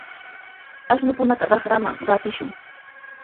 Ashnukunata raqraman qatishun.